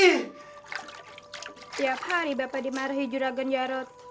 setiap hari bapak dimarahi juragan jarod